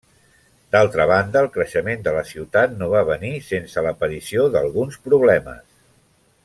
D'altra banda, el creixement de la ciutat, no va venir sense l'aparició d'alguns problemes.